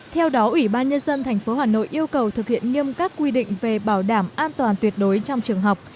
theo đó ủy ban nhân dân tp hà nội yêu cầu thực hiện nghiêm các quy định về bảo đảm an toàn tuyệt đối trong trường học